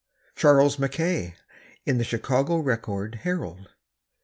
—Charles MacKay in the Chicago Record Herald.